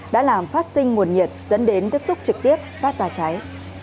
đã làm phát sinh nguồn nhiệt dẫn đến tiếp xúc trực tiếp phát ra cháy